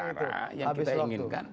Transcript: sementara yang kita inginkan